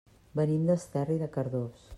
Venim d'Esterri de Cardós.